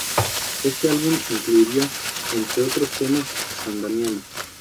Este álbum incluiría, entre otros temas, "San Damiano".